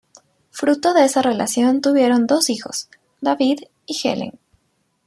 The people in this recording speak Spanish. Fruto de esa relación tuvieron dos hijos: David y Helen.